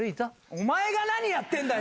お前が何やってんだよ。